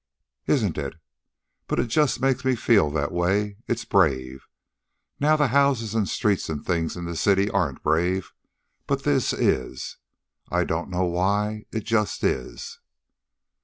"Isn't it? But it just makes me feel that way. It's brave. Now the houses and streets and things in the city aren't brave. But this is. I don't know why. It just is."